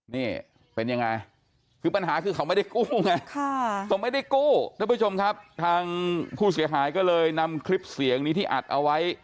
นี่เป็นยังไงคือปัญหาคือเขาไม่ได้กู้ไงทั้งผู้เสียหายก็เลยนำคลิปเสียงนี้ที่อัดเอาไว้